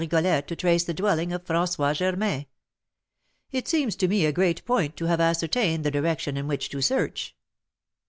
Rigolette to trace the dwelling of François Germain. It seems to me a great point to have ascertained the direction in which to search."